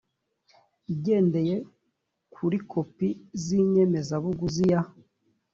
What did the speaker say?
igendeye kuri kopi z inyemezabuguzi ya